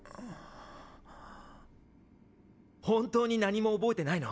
本当に何も覚えてないの？